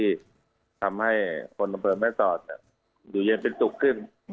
ที่ทำให้คนอำเภอแม่สอดอยู่เย็นเป็นสุขขึ้น